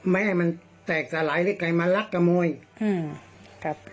ไม่ให้มันแตกแต่ลายหรือแก่มารักครับ